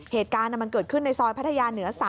เหตุการณ์มันเกิดขึ้นในซอยพัทยาเหนือ๓